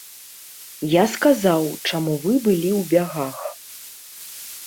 Я сказаў, чаму вы былі ў бягах.